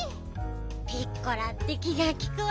ピッコラって気がきくわね。